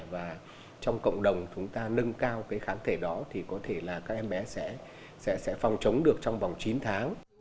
và trong cộng đồng chúng ta nâng cao cái kháng thể đó thì có thể là các em bé sẽ phòng chống được trong vòng chín tháng